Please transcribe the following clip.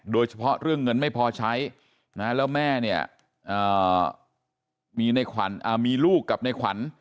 โดยเฉพาะเรื่องเงินไม่พอใช้นะแล้วแม่เนี่ยมีลูกกับในขวัญ